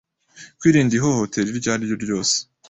Kwirinda ihohotera iryo ari ryo ryose